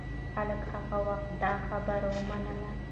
خلکو هغه وخت دا خبرې ومنلې.